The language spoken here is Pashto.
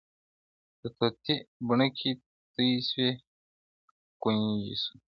د طوطي بڼکي تویي سوې ګنجی سو-